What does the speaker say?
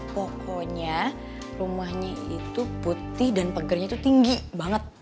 pokoknya rumahnya itu putih dan pegernya itu tinggi banget